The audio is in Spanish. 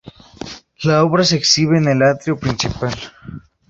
La obra se exhibe en el atrio principal.